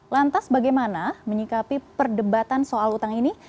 lantas bagaimana menyikapi perdebatan soal utang ini